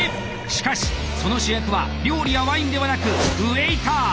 しかしその主役は料理やワインではなくウェイター。